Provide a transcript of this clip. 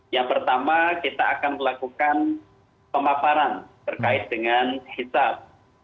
yang pertama kita akan melakukan pemaparan terkait dengan hisap